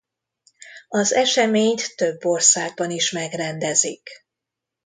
Az eseményt több országban is megrendezik.